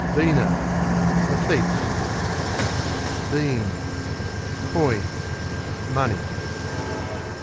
Beano A feast. Beans Coins; money.